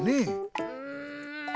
うん。